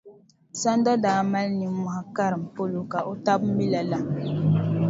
Sanda daa mali nimmohi karim polo ka o taba mi lala.